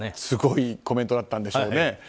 すごいコメントだったんでしょうね。